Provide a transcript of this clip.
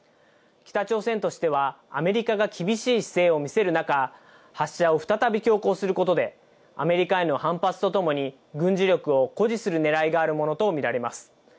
北朝鮮としては、アメリカが厳しい姿勢を見せる中、発射を再び強行することで、アメリカへの反発とともに、軍事力を誇示するねらいがあるものと見られます。